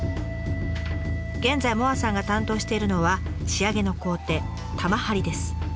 現在萌彩さんが担当しているのは仕上げの工程「玉貼り」です。